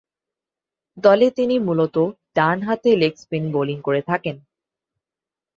দলে তিনি মূলতঃ ডানহাতে লেগ স্পিন বোলিং করে থাকেন।